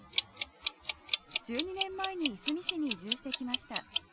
１２年前にいすみ市に移住してきました。